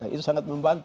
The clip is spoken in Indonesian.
itu sangat membantu